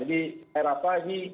jadi era apa ini